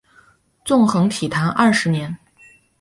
纵横体坛二十年。